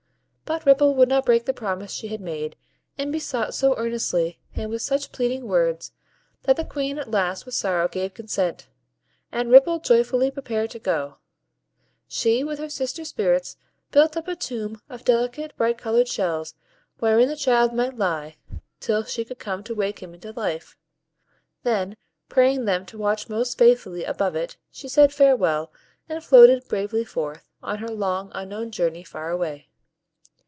But Ripple would not break the promise she had made, and besought so earnestly, and with such pleading words, that the Queen at last with sorrow gave consent, and Ripple joyfully prepared to go. She, with her sister Spirits, built up a tomb of delicate, bright colored shells, wherein the child might lie, till she should come to wake him into life; then, praying them to watch most faithfully above it, she said farewell, and floated bravely forth, on her long, unknown journey, far away.